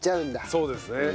そうですね。